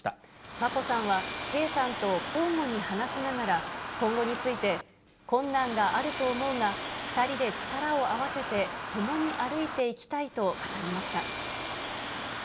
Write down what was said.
眞子さんは圭さんと交互に話しながら、今後について、困難があると思うが、２人で力を合わせて共に歩いていきたいと語りました。